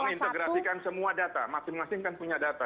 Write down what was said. mengintegrasikan semua data masing masing kan punya data